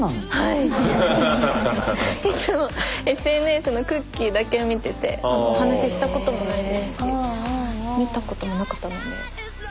いつもＳＮＳのクッキーだけを見ててお話ししたこともないですし見たこともなかったので。